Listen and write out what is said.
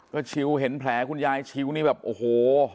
ก็ชิวเห็นแผลคุณยายชิวนี่แบบโอ้โห